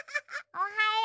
おはよう。